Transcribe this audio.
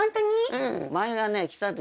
うん。